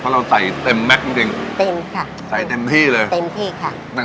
เพราะเราใส่เต็มแม็กซจริงจริงเต็มค่ะใส่เต็มที่เลยเต็มที่ค่ะ